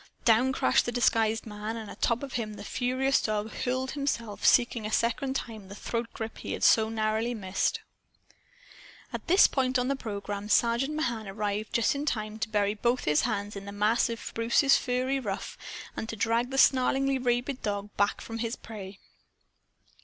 Down crashed the disguised man. And atop of him the furious dog hurled himself, seeking a second time the throatgrip he had so narrowly missed. At this point on the program Sergeant Mahan arrived just in time to bury both hands in the mass of Bruce's furry ruff and to drag the snarlingly rabid dog back from his prey.